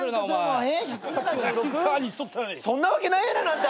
そんなわけないやないのあんた！